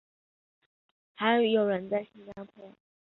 还与友人在新加坡创办培才小学和工人夜校。